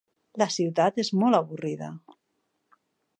La ciutat és molt avorrida.